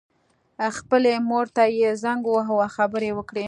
خپلې مور ته یې زنګ وواهه او خبرې یې وکړې